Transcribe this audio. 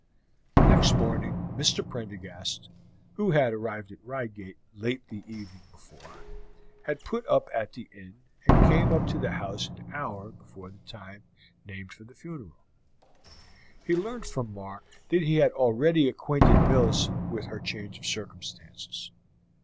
The next morning Mr. Prendergast, who had arrived at Reigate late the evening before, and had put up at an inn, came up to the house an hour before the time named for the funeral. He learned from Mark that he had already acquainted Millicent with her change of circumstances.